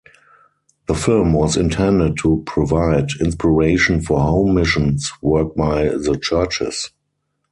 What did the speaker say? The film was intended to "provide inspiration for home missions work by the churches".